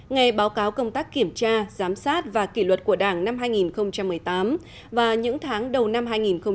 ngày báo cáo công tác kiểm tra giám sát và kỷ luật của đảng năm hai nghìn một mươi tám và những tháng đầu năm hai nghìn một mươi chín